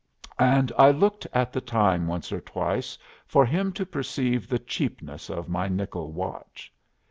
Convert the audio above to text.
And I looked at the time once or twice for him to perceive the cheapness of my nickel watch.